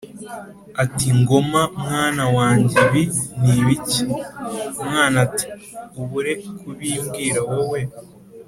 ati « Ngoma mwana wanjye ibi ni ibiki?» Umwana ati «ubure kubimbwira wowe